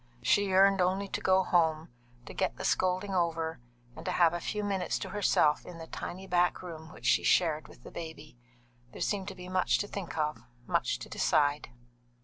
She yearned only to go home, to get the scolding over, and to have a few minutes to herself in the tiny back room which she shared with the baby. There seemed to be much to think of, much to decide.